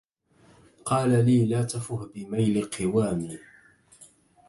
قال لي لا تفه بميل قوامي